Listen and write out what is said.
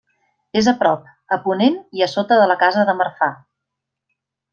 És a prop, a ponent i a sota de la casa de Marfà.